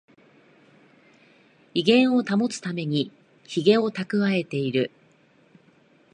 威厳を保つためにヒゲをたくわえる